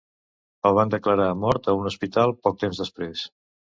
El van declarar mort a un hospital poc temps després.